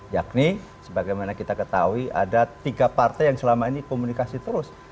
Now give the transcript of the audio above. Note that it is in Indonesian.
yakni sebagaimana kita ketahui ada tiga partai yang selama ini komunikasi terus